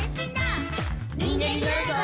「にんげんになるぞ！」